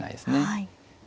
はい。